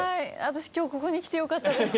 私今日ここに来てよかったです。